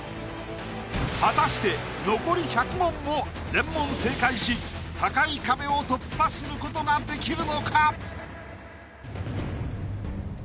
果たして残り１００問も全問正解し高い壁を突破することができるのか